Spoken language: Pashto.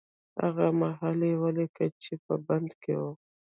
هغه مهال يې وليکه چې په بند کې و.